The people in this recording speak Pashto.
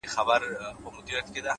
لوړ فکر د نوښتونو دروازه پرانیزي’